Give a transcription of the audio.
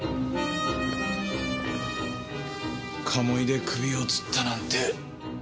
鴨居で首をつったなんて。